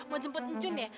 mau jemput mucun ya